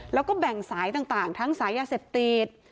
แล้วก็แบ่งสายต่างทั้งสายยาเสพติด